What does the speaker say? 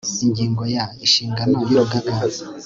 ingingo ya inshingano y urugaga